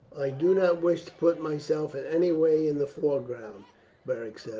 "I do not wish to put myself in any way in the foreground," Beric said.